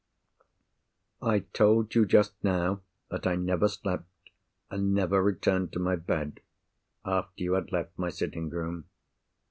I told you just now that I never slept, and never returned to my bed, after you had left my sitting room.